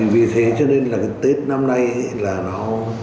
vì thế cho nên là cái tết năm nay là nó